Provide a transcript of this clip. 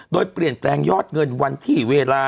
โดยเปลี่ยนแปลงยอดเงินวันที่เวลา